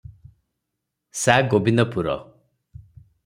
Sa: Gobindpur.